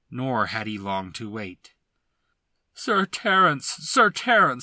Nor had he long to wait. "Sir Terence! Sir Terence!